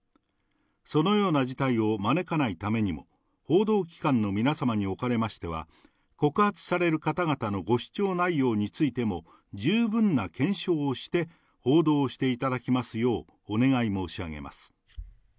そのような事態を招かないためにも、報道機関の皆様におかれましては、告発される方々のご主張内容についても、十分な検証をして、報道していただきますようお願い申し上げます。